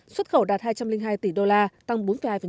xuất khẩu đạt hai trăm linh hai tỷ đô la tăng bốn hai